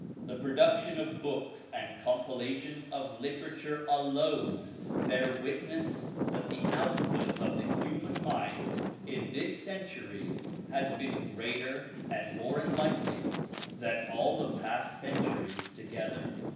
The pro duction of books and compilations of literature alone bear witness that the output of the human mind in this century has been greater and more enlightening than all the past centuries together.